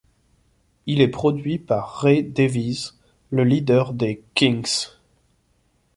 Il est produit par Ray Davies, le leader des Kinks.